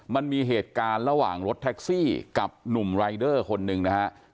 มันมีเหตุการณ์ระหว่างรถแท็กซี่กับหนุ่มรายเดอร์คนหนึ่งนะฮะ